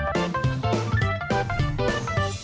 โปรดติดตามต่อไป